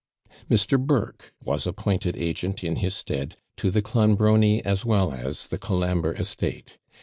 Mr. Burke was appointed agent in his stead to the Clonbrony as well as the Colambre estate.